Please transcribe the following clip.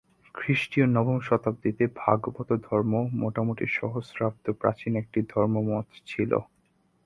খ্রিস্টীয় নবম শতাব্দীতে ভাগবত ধর্ম মোটামুটি সহস্রাব্দ প্রাচীন একটি ধর্মমত ছিল।